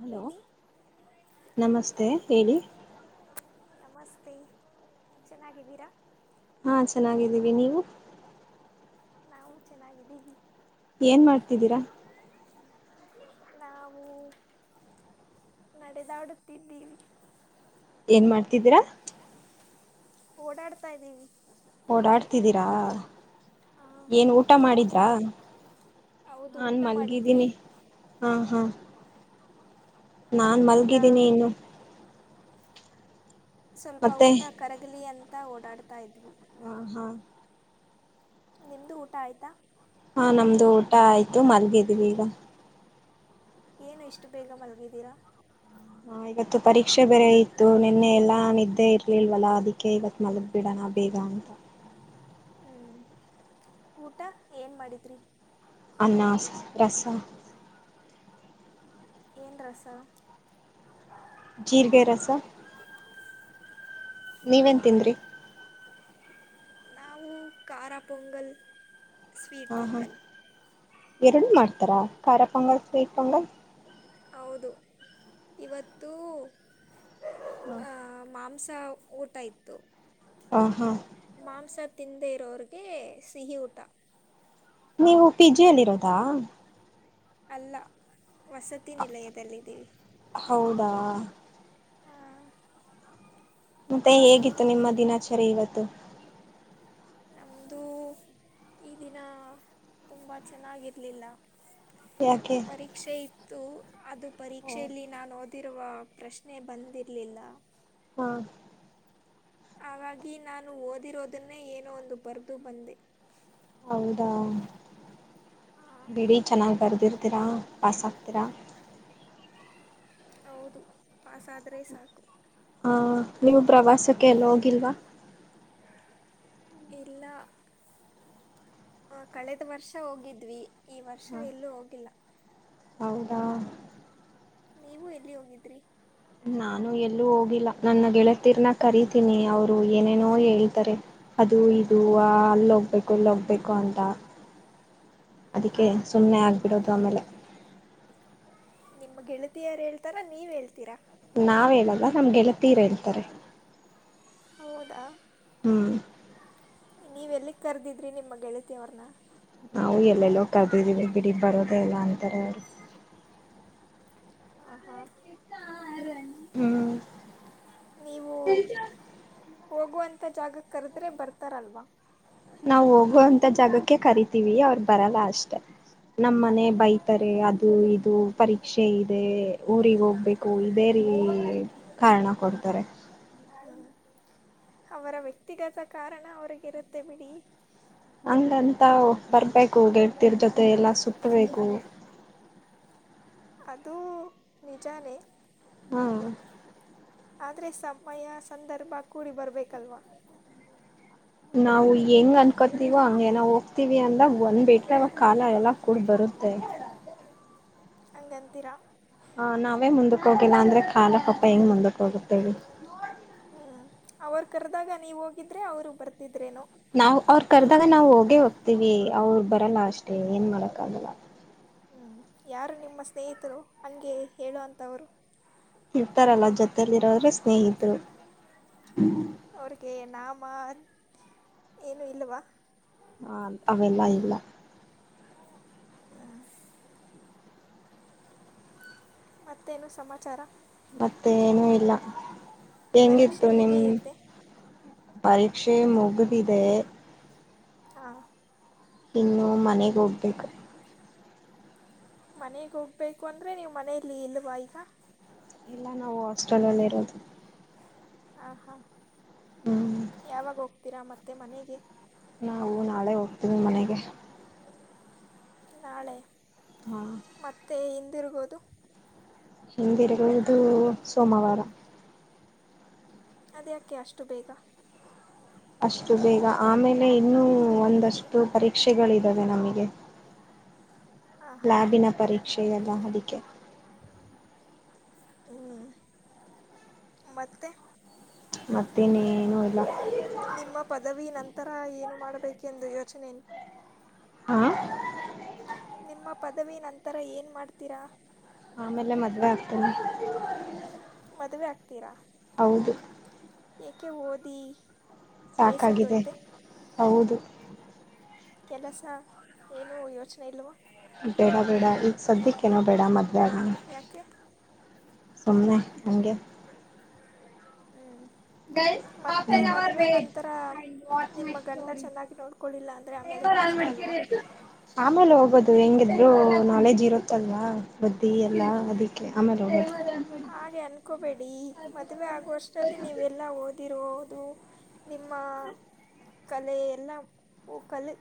Hello ಹೇಳಿ ನಮಸ್ತೆ ಹೇಳಿ ನಮಸ್ತೆ ಚೆನ್ನಾಗಿದ್ದೀರ. ಹಾ ಚೆನ್ನಾಗಿದ್ದೀವಿ ನೀವು ನಾವು ಚೆನ್ನಾಗಿದ್ದೀವಿ ಏನ್ ಮಾಡ್ತಿದ್ದೀರ ನಾವು ನಡೆದಾಡುತ್ತಿದ್ದೀವಿ. ಏನ್ ಮಾಡ್ತಿದೀರ. ಓಡಾಡ್ತಾ ಇದೀವಿ. ಓಡಾಡ್ತಿದ್ದೀರಾ ಏನ್ ಊಟ ನೀವು ಮಾಡಿದ್ರಾ. ಹೌದು ನಾನ್ ಊಟ ಮಾಡಿದ್ವಿ ಮಲ್ಗಿದ್ದೀನಿ ಆ ಹಾ ನಾನ್ ಅದರಿಂದ ಮಲ್ಗಿದ್ದೀನಿ ಇನ್ನು ಸ್ವಲ್ಪ ಮತ್ತೆ ಊಟ ಕರಗ್ಲಿ ಅಂತ ಓಡಾಡ್ತಾ ಇದ್ವಿ. ಆ ಹಾ ನಿಮ್ದ ಊಟ ಆಯ್ತಾ. ಹಾ ನಮ್ದು ಊಟ ಆಯ್ತು ಮಲ್ಗಿದೀವಿ ಈಗ. ಏನ್ ಇಷ್ಟು ಬೇಗ ಮಲ್ಗಿದ್ದೀರ. ಹಾ ಇವತ್ತು ಪರೀಕ್ಷೆ ಬೇರೆ ಇತ್ತು ನಿನ್ನೆ ಎಲ್ಲಾ ನಿದ್ದೆ ಇರ್ ಇಲ್ವಲ್ಲ ಅದಿಕ್ಕೆ ಇವತ್ ಮಲ್ಗ್ ಬಿಡಣ ಬೇಗ ಅಂತ ಹ್ಮ್ ಊಟ ಏನ್ ಮಾಡಿದ್ರಿ. ಅನ್ನಸ್ ರಸ ಏನ್ ರಸ ಜೀರ್ಗೆ ರಸ ನೀವೇನ್ ತಿಂದ್ರಿ ನಾವು ಖಾರ ಪೊಂಗಲ್ ಸ್ವೀಟ್ ಹಾ ಹಾಂ ಪೊಂಗಲ್ ಎರಡು ಮಾಡ್ತಾರಾ ಖಾರ ಪೊಂಗಲ್ ಸ್ವೀಟ್ ಪೊಂಗಲ್. ಹೌದು ಇವತ್ತು ಆ ಹ ಮಾಂಸ ಊಟ ಇತ್ತು. ಆ ಹಾ ಮಾಂಸ ತಿಂದೇ ಇರೋರ್ಗೆ ಸಿಹಿ ಊಟ. ನೀವು ಪಿ ಜಿ ಯಲ್ ಇರೋದಾ ಅಲ್ಲ ವಸತಿ ನಿಲಯದಲ್ಲಿದ್ದೀವಿ. ಹೌದಾ ಹಾ ಮತ್ತೆ ಹೇಗಿತ್ತು ನಿಮ್ಮ ದಿನಾಚರಿ ಇವತ್ತು. ನಮ್ದುೂ ಈ ದಿನ ತುಂಬ ಚೆನ್ನಾಗಿರ್ಲಿಲ್ಲ. ಯಾಕೆ ರೀಕ್ಷೆ ಇತ್ತು ಅದು ಪರೀಕ್ಷೆಯಲ್ಲಿ ಹಾ ನಾನ್ ಓದಿರುವ ಪ್ರಶ್ನೆ ಬಂದಿರ್ಲಿಲ್ಲ. ಹಾ ಹಾಗಾಗಿ ನಾನು ಓದಿರೋದುನ್ನೇ ಏನೋ ಒಂದು ಬರ್ದು ಬಂದೆ. ಹೌದಾ ಬಿಡಿ ಚೆನ್ನಾಗ್ ಬರ್ದಿರ್ತೀರಾ ಪಾಸ್ ಆಗ್ತೀರ. ಹೌದು ಪಾಸಾದ್ರೆ ಸಾಕು ಹ ನೀವು ಪ್ರವಾಸಕ್ಕೆ ಎಲ್ ಹೋಗಿಲ್ವ. ಇಲ್ಲ ಆ ಕಳೆದ ವರ್ಷ ಹೋಗಿದ್ವಿ ಈ ವರ್ಷ ಹ ಎಲ್ಲೂ ಹೋಗಿಲ್ಲ. ಹೌದಾ ನೀವು ಎಲ್ಲಿ ಹೋಗಿದ್ರಿ ನಾನು ಎಲ್ಲೂ ಹೋಗಿಲ್ಲ ನನ್ನ ಗೆಳತಿರ್ನ ಕರಿತೀನಿ ಅವ್ರು ಏನೇನೋ ಹೇಳ್ತಾರೆ. ಅದು ಇದು ಅ ಅಲ್ ಹೋಗ್ಬೇಕು ಇಲ್ ಹೋಗ್ಬೇಕು ಅಂತ. [inaudible] ಅದಿಕ್ಕೆ ಹಾಂ ಸುಮ್ನೆ ಆಗ್ಬಿಡೋದು ಆಮೇಲೆ ನಿಮ್ ಗೆಳತಿಯರ್ ಹೇಳ್ತಾರ ನೀವ್ ಹೇಳ್ತೀರ. ನಾವ್ ಹೇಳಲ್ಲ ನಮ್ಗೆಳತೀರ್ ಹೇಳ್ತಾರೆ. ಹೌದಾ ಹ್ಮ್ ನೀವು ಎಲ್ಲಿಗೆ ಕರ್ದಿದ್ರಿ ನಿಮ್ಮ ಗೆಳತಿ ಅವ್ರ್ನ ನಾವು ಎಲ್ಲೆಲ್ಲೋ ಕರ್ದಿದೀವಿ ಬಿಡಿ ಬರೋದೇ ಇಲ್ಲ ಅಂತಾರೆ ಅವ್ರು. ಆಹಾ ಹ್ಮ್ ನೀವು ಹೋಗುವಂಥ ಜಾಗಕ್ ಕರ್ದ್ರೆ ಬರ್ತಾರಲ್ವ. ನಾವು ಹೋಗುವಂತ ಜಾಗಕ್ಕೆ ಕರಿತೀವಿ ಅವ್ರು ಬರಲ್ಲ ಅಷ್ಟೆ. ನಮ್ಮನೆ ಬೈತಾರೆ ಅದು ಇದು ಪರೀಕ್ಷೆ ಇದೆ ಊರಿಗ್ ಹೋಗ್ಬೇ ಕು ಬೇರಿ ಕಾರಣ ಕೊಡ್ತಾರೆ. ಹ್ಞೂ ಅವರ ವ್ಯಕ್ತಿಗತ ಕಾರಣ ಅವರಿಗಿರುತ್ತೆ ಬಿಡಿ. ಹಂಗ ಅಂತ ಬರ್ಬೇಕು ಗೆಳ್ತಿರ್ ಜೊತೆ ಎಲ್ಲ ಸುತ್ತ್ ಬೇಕು. ಅದು ನಿಜಾನೆ ಹಾ ಆದರೆ ಸಮಯ ಸಂದರ್ಭ ಕೂಡಿ ಬರ್ಬೇಕಲ್ವ. ನಾವು ಹೆಂಗ್ ಅನ್ಕೊತೀವೋ ಹಂಗೆ ನಾವ್ ಹೋಗ್ತಿವಿ ಅಂದಾಗ ಒಂದಿಟ್ಗಲ್ ಕಾಲ ಎಲ್ಲ ಕೂಡ್ ಬರುತ್ತೆ. ಹಂಗಂತೀರ ಹ ನಾವೇ ಮುಂದಕ್ ಹೋಗಿಲ್ಲ ಅಂದ್ರೆ ಕಾಲ ಪಾಪ ಹೆಂಗ್ ಮುಂದಕ್ ಹೋಗುತ್ತೇಳಿ. ಹ್ಮ್ ಅವ್ರು ಕರ್ದಾಗ ನೀವ್ ಹೋಗಿದ್ರೆ ಅವ್ರು ಬರ್ತಿದ್ರೇನು. ನಾವ್ ಅವ್ರ ಕರ್ದಾಗ ನಾವ್ ಹೋಗೇ ಹೋಗ್ತೀವಿ ಅವ್ರ್ ಬರಲ್ಲ ಅಷ್ಟೆ ಏನ್ ಮಾಡಕಾಗಲ್ಲ. ಹ್ಮ್ ಯಾರು ನಿಮ್ಮ ಸ್ನೇಹಿತರು ಹಂಗೆ ಹೇಳು ವಂತವ್ರು. ಇರ್ತಾರಲ್ಲ ಜೊತಲಿರೋರೆ ಸ್ನೇಹಿತರು. ಅವ್ರಿಗೆ ನಾಮ ಏನು ಇಲ್ವ ಹ ಅವೆಲ್ಲ ಇಲ್ಲ. ಹ ಮತ್ತೇನು ಸಮಾಚಾರ ಮತ್ತೆನೂ ಇಲ್ಲ ಪರೀಕ್ಷೆ ಹೆಂಗಿತ್ತು ನಿಮ್ ಮುಗಿಯುತ್ತೆ ಪರೀಕ್ಷೆ ಮುಗಿದಿದೆ ಹಾ ಇನ್ನು ಮನೆಗೆ ಹೋಗ್ಬೇಕು ಮನೆಗೆ ಹೋಗ್ಬೇಕು ಅಂದ್ರೆ ನೀವು ಮನೇೆಯಲ್ಲಿ ಇಲ್ವಾ ಈಗ ಇಲ್ಲ ನಾವು ಹಾಸ್ಟೆಲ್ ಅಲ್ಲಿ ಇರೋದು ಹ ಹಾ ಹ್ಮ್ ಯಾವಾಗ ಹೋಗ್ತೀರಾ ಮತ್ತೆ ಮನೆಗೆ ನಾವು ನಾಳೆ ಹೋಗ್ತೀವಿ ಮನೆಗೆ ನಾಳೆ ಹಾ ಮತ್ತೆ ಹಿಂದಿರುಗೋದು ಹಿಗೆಗದು ಸೋಮವಾರ ಅದ್ಯಾಕೆ ಅಷ್ಟು ಬೇಗ ಅಷ್ಟು ಬೇಗ ಆಮೇಲೆ ಇನ್ನೂ ಒಂದಷ್ಟು ಪರೀಕ್ಷೆಗಳಿದಾವೆ ನಮಗೆ [inaudible] ಹಾಂ ಹಾಂ ಲ್ಯಾಬಿನ ಪರೀಕ್ಷೆ ಎಲ್ಲ ಅದಕ್ಕೆೆ ಹ್ಮ್ ಮತ್ತೆ ಮತ್ತೇನ ಏನು ಇಲ್ಲ ನಿಮ್ಮ ಪದವಿ ನಂತರ ಏನು ಮಾಡಬೇಕೆಂದು ಯೋಚನೆ ಹಾ ನಿಮ್ಮ ಪದವಿ ನಂತರ ಏನ್ ಮಾಡ್ತೀರಾ ಆಮೇಲೆ ಮದುವೆ ಆಗ್ತೀನಿ ಮದುವೆ ಆಗ್ತೀರಾ ಹೌದು ಏಕೆ ಓದಿ ಸಾಕಾಗಿದೆ ಬೇಸತ್ತೋಯ್ತೆ ಹೌದು ಕೆಲಸ ಏನು ಯೋಚನೆ ಇಲ್ವಾ ಬೇಡ ಬೇಡ ಈಗ ಸದ್ಯಕ್ಕೇಏನೋ ಬೇಡ ಮದವಾಗ ಯಾಕೆ ಸುಮ್ಮನೆ ನಮಗೆ ಹ್ಞೂ ಮತ್ತೆ ಮದುವೆ ನಂತರ ನಿಮ್ಮ ಗಂಡ ಚೆನ್ನಾಗಿ ನೋಡ್ಕೊಳ್ಳಿಲ್ಲ ಅಂದರೆ ಆಮೇಲೆ ಕಷ್ಟ ಅಲ್ವಾ ಆಮೇಲೆ ಹೋಗೋದು ಹೆಂಗಿದ್ರು ನಾಲೆಜ್ ಇರುತ್ತಲ್ವಾ ಬುದ್ದಿ ಎಲ್ಲಾ ಅದಕ್ಕೆ ಆಮೇಲೆ ಹಾಗೆ ಅನ್ಕೋಬೇಡಿ ಮದುವೆ ಆಗೋಷ್ಟರಲ್ಲಿ ನೀವೆಲ್ಲ ಓದಿರ್ಬೋದು ನಿಮ್ಮ ಕಲ ಎಲ್ಲ ಕಲೆ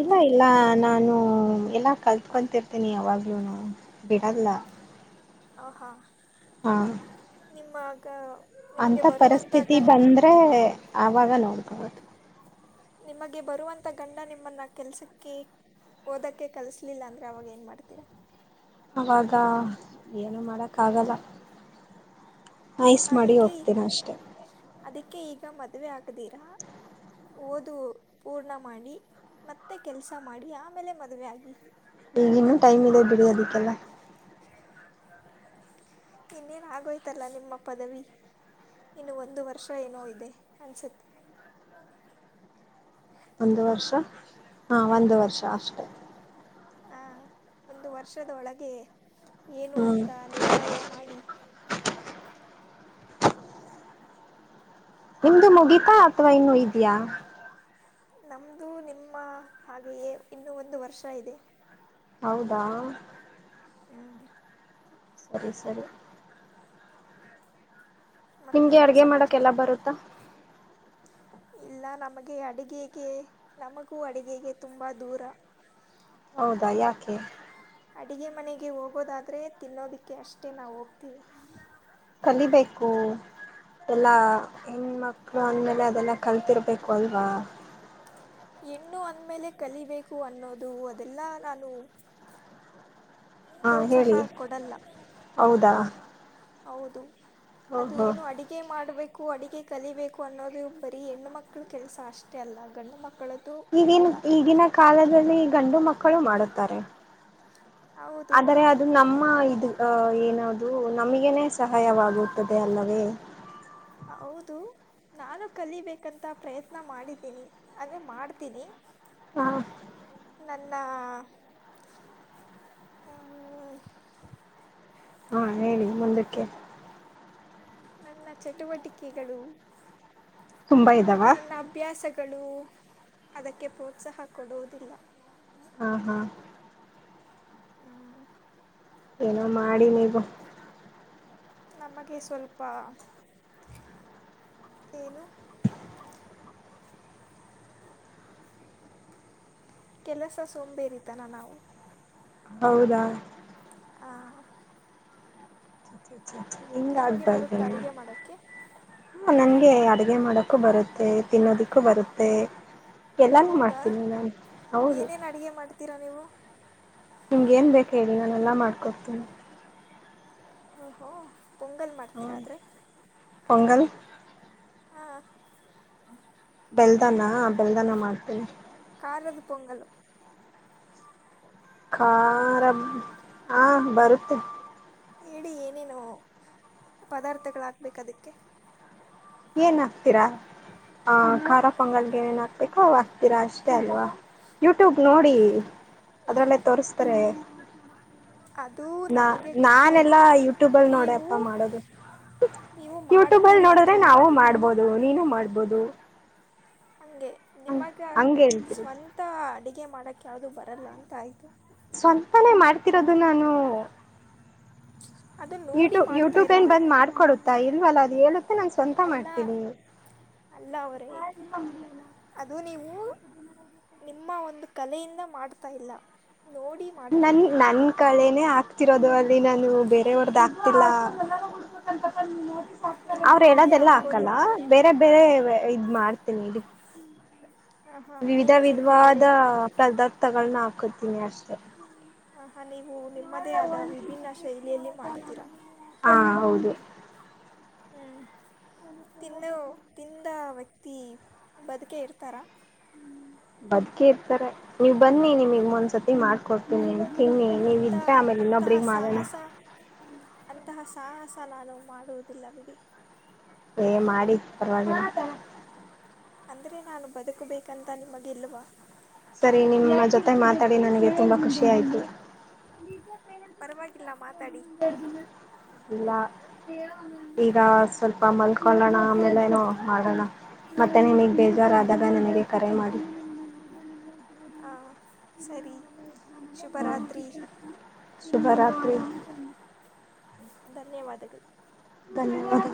ಇಲ್ಲ ಇಲ್ಲ ನಾನು ಎಲ್ಲಾ ಕಲ್ತ್ಕೊಂತಿರ್ತೀನಿ ಯಾವಾಗ್ಲೂ ಬಿಡದಲ್ಲ ಹಾ ಹಾ ನಿಮ್ಮಗ ಅಂತ ಪರಿಸ್ಥಿತಿ ಬಂದ್ರೆ ಆಾಗ ನೋಡ್ಬೋದು ನಿಮಗೆ ಬರುವಂಥ ಗಂಡ ನಿಮ್ಮನ್ನು ಕೆಲಸಕ್ಕೆ ಓದೋಕ್ಕೆ ಕಲಿಸಲಿಲ್ಲ ಅಂದರೆ ಅವಾಗ ಏನು ಮಾಡ್ತೀರಾ ಆವಾಗ ಏನು ಮಾಡೋಕ್ಕಾಗಲ್ಲ ಐಸ್ ಮಾಡಿ ಅದಕ್ಕೆ ಹೋಗ್ತೀನ ಅಷ್ಟೆ ಅದಕ್ಕೆ ಈಗ ಮದುವೆ ಆಗದೀರಾ ಓದು ಪೂರ್ಣ ಮಾಡಿ ಮತ್ತೆ ಕೆಲಸ ಮಾಡಿ ಆಮೇಲೆ ಮದುವೆ ಆಾಗಿಿ ಈಗ ಇನ್ನು ಟೈಮ್ ಇದೆ ಬಿಡಿ ಅದಕ್ಕೆಲ್ಲ ಇನ್ನೇನು ಆಗೋಯ್ತಲ್ಲ ನಿಮ್ಮ ಪದವಿ ಇನ್ನು ಒಂದು ವರ್ಷ ಏನೋ ಇದೆ ಅನಿಸುತ್ತೆ ಒಂದು ವರ್ಷ ಹಾ ಒಂದು ವರ್ಷ ಅಷ್ಟೆ ಹ ಒಂದು ವರ್ಷದ ಒಳಗೆ ಏನು ಹ್ಮ್ ಅಂತ ನಿರ್ಣಯ ಮಾಡಿ ಹ್ಮ್ ನಿಮ್ದು ಮುಗಿತಾ ಅಥವಾ ಇನ್ನು ಇದಯಾ. ನಮ್ಮದು ನಿಮ್ಮ ಹಾಗೆಯೇ ಇನ್ನೂ ಒಂದು ವರ್ಷ ಇದೆ. ಹೌದಾ. ಹ. ಸರಿ ಸರಿ. ನಿಮ್ಗೆ ಮತ್ತೇನು ಅಡ್ಗೆ ಸಮಾಚಾರ. ಮಾಡಕ್ಕೆಲ್ಲ ಬರುತ್ತಾ ಇಲ್ಲ ನಮಗೆ ಅಡುಿಗೆಗೆ ನಮಗೂ ಅಡುಗೆಗೆ ತುಂಬ ದೂರ. ಹೌದಾ ಯಾಕೆ. ಅಡುಿಗೆ ಮನೆಗೆ ಹೋಗೋದಾದರೆ ತಿನ್ನೋದಕ್ಕೆ ಅಷ್ಟೇ ನಾವು ಹೋಗ್ತೀವಿ. ಕಲಿಬೇಕು ಎಲ್ಲ ಹೆಣ ಮಕ್. ಅ್ಮೇಲೆ ಅದೆಲ್ಲ ಕಲ್ತಿರ್ಬೇಕು ಅಲ್ವಾ ಹೆಣ್ಣು ಅಂದಮೇಲೆ ಕಲಿಬೇಕು ಅನ್ನೋದು ಅದೆಲ್ಲ ನಾನು. ಹಾ ಪ್ರೋತ್ಸಾಹ ಹೇಳಿ ಕೊಡಲ್ಲ. ಹೌದಾ ಹೌದು ಅದು ಓಹೋ ಏನೋ ಅಡಿಗೆ. ಅಡುಗೆ ಮಾಡಬೇಕು ಅಡಗೆ ಕಲಿಬೇಕು ಅನ್ನೋದು ಬರೀ ಹೆಣ್ಣು ಮಕ್ಳ ಕೆಲಸ ಅಷ್ಟೇ ಅಲ್ಲ ಗಂಡು ಮಕ್ಕಳು. ಈಗಿನ ಈಗಿನ ಕಾಲದಲ್ಲಿ ಗಂಡು ಮಕ್ಕಳು ಮಾಡುತ್ತಾರೆ. ಹೌದು ಆದರೆ ಅದು ನಮ್ಮ ಇದು ಏನದು ನಮಗೇ ಸಹಾಯವಾಗುತ್ತದೆ ಅಲ್ಲವೇ. ಹಾ ಹೌದು. ನಾನು ಕಲಿಬೇಕಂತ ಪ್ರಯತ್ನ ಮಾಡಿದ್ದೀನಿ ಅಂದರೆ ಮಾಡ್ತೀನಿ. ಹಾ ನನ್ನ. ಹಾ ಹೇಳಿ ಮುಂದಕ್ಕೆ. ನನ್ನ ಚಟುವಟಿಕೆಗಳು ತುಂಬಾ ಇದ್ದಾವ ನನ್ನ ಹಬ್. ಅಭ್ಯಾಸಗಳು ಅದಕ್ಕೆ ಪ್ರೋತ್ಸಾಹ ಕೊಡುವುದಿಲ್ಲ. ಹಾ ಹಾ. ಏನೋ ಮಾಡಿ ನೀವು. ನಮಗೆ ಸ್ವಲ್ಪ. ಏನು. ಕೆಲಸ ಸುಂಬೇರಿತಾನ ನಾವು. ಹೌದಾ ಹ. [unintelligible] ನಿಮಗೆ ಬರುತ್ತೆ ಅಡುಗೆ ಮಾಡೋಕ್ಕೆ. ನಂಗೆ ಅಡಗೆ ಮಾಡೋಕ್ಕೂ ಬರುತ್ತೆ ತಿನ್ನೋದಿಕ್ಕೂ ಬರುತ್ತೆ. ಎಲ್ಲಾನು ಮಾಡ್ತೀನಿ ನಾನ್ ಹೌದು. ಅಡಗೆ ಮಾಡೆ. ೀರಾ ನೀವು. ನಿಮಗೇನು ಬೇಕು ಹೇಳಿ ನಾನೆಲ್ಲ ಮಾಡ್ಕೊಡ್ತೀನಿ. ಓ ಹೋ ಪೊಂಗಲ್ ಹ್ಮ ಮಾಡ್ತೀರಾ ಆದರೆ. ಪೊಂಗಲ್. ಹಾ. ಬೆಲ್ದನ ಬೆಲ್ದನ ಮಾಡ್ತೀಿ. ಕಾಲದು ಪೊಂಗಲು. ಖಾರ ಹ ಬರುತ್ತೆ. ಹೇಳಿ ಏನೇನು ಪದಾರ್ಥಗಳ ಹಾಕ್ಬೇಕುದಕ್ಕೆ. ಏನಾಕ್ತಿರ ಆ ಖಾರ ಪೊಂಗಲ್ಗೆ ಏನಾಕ್ಬೇಕ್ ರಾ ಆಗ್ತೀರಾ ಅಷ್ಟೇ ಅಲ್ವಾ ಯೂಟ್ಯೂಬ್ ನೋಡಿ ಅದ್ರಲ್ಲೇ ತೋರಿಸ್ತಾರೆ. ಅದು ನ ನಮಗೆ ಗೊತ್ತು ನಾನೆಲ್ಲಾ ಯೂಟ್ಯೂಬಲ್ ನೋಡೇ ನೀವು ಅಪ್ಪ ಮಾಡೋದು. ನೀವು ಯೂಟ್ಯೂಬ್ ಅಲ್ ಮಾಡ್ತೀನಿ ನೋಡಿದ್ರೆ ನಾವು ಅಂದ್ರಲ್ವಾ ಮಾಡ್ಬೋದು ನೀನು ಮಾಡ್ಬೋದು. ಹಂಗೆ ಹ ನಿಮಗೆ ಹಂಗ ಹೇಳ್ತಿರಿ ಸ್ವಂತ ಅಡುಗೆ ಮಾಡೋಕ್ ಯಾವುದು ಬರಲ್ಲ ಅಂತ ಆಯಿತು. ಸ್ವಂತಾನೇ ಮಾಡ್ತಿರೋದು ನಾನು ಅದು ನೋಡಿ ಯೂಟ್ಯೂ ಮಾಡ್ತಾ ಯೂಟ್ಯೂಬ್ ಏನ್ ಇರೋದು ಬಂದ್ ಮಾಡ್ಕೊಡುತ್ತಾ ಇಲ್ವಲ್ಲ ಅದು ಹೇಳು ತ್ತೆ ನಾನ್ ಸ್ವಂತ ಅಲ್ಲ ಮಾಡ್ತೀನಿ. ಅಲ್ಲ ಅವರೇ ಅದು ನೀವು ನಿಮ್ಮ ಒಂದು ಕಲೆಯಿಂದ ಮಾಡ್ತಾ ಇಲ್ಲ ನೋಡಿ ಮಾಡ್ತಾ ನನ್ ಇದ್ದೀರ ನನ್ ಕಳೇನೇ ಆಗ್ತಿರೋದು ಅಲ್ಲಿ ನಾನು ಬೇರೆಯಾವ್ರ್ದ್ ಹಾಕ್ತಿಲ್ಲ. ನಿಮ್ಮ ಅವ್ರ್ ಕಲೆ ಹೇಳೋದೆಲ್ಲ ಹಾಕೋದು ಹಾಕಲ್ಲ ಅಂದರೆ ಬೇರೆ ಬೇರೆ ಇವ್ ಇದ್ ಮಾಡ್ತೀನಿದು. ಹಾಂ ಹಾಂ ವಿವಿಧ ನೀವೇ ಸ್ವಲ್ಪ ವಿಧವಾದ ವೆರೈ ಪದಾರ್ಥಗಳನ್ನ ಹಾಕತೀನಿ ಅಷ್ಟೇ. ಆಹಾ ನೀವು ನಿಮ್ಮದೇ ಆದ ವಿಭಿನ್ನ ಶೈಲಿಯಲ್ಲಿ ಮಾಡ್ತೀರ. ಹಾ ಹೌದು ಹ್ಞೂ ತಿನ್ನೋ ತಿಂದ ವ್ಯಕ್ತಿ ಬದುಕೆ ಇರ್ತಾರ. ಬದ್ಕೆ ಇರ್ತಾರೆ ನೀವ್ ಬನ್ನಿ ನಿಮಿಗ್ ಒಂದ್ಸತಿ ಮಾಡ್ಕೊಡ್ ಅಂತ ಅಂತಹ ಮಾಡೋಣ ಸಾಹಸ ಅಂತಹ ಸಾಹಸ ನಾನು ಮಾಡುವುದಿಲ್ಲ ಬಿಡಿ. ಏಯ್ ಮಾಡಿ ಪರ್ವಾಗಿಲ್ ಅಂದ್ರೆ ನಾನು ಬದುಕಬೇಕಂತ ನಿಮಗಿಲ್ವ? ಸರಿ ನಿಮ್ಮ ಜೊತೆಗ್ ಮಾತಾಡಿ ನನಗೆ ತುಂಬಾ ಖುಷಿ ಆಯ್ತು. ಪರ್ವಾಗಿಲ್ಲ ಮಾತಾಡಿ. ಇಲ್ಲ ಈಗ ಸ್ವಲ್ಪ ಮಲ್ಕೊಳ್ಳೋಣ ಆಮೇಲೆನೊ ಮಾಡಣ. ಮತ್ತೆ ನಿಮಗ್ ಬೇಜಾರಾದಾಗ ನನಗೆ ಕರೆ ಮಾಡಿ. ಹಾ ಸರಿ ಹಾಂ ಶುಭರಾತ್ರಿ ಶುಭರಾತ್ರಿ ಹ್ಮ್ ಧನ್ಯವಾದಗಳ್ ಧನ್ಯವಾದ.